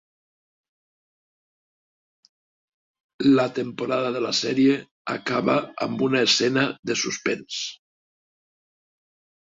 La temporada de la sèrie acaba amb una escena de suspens.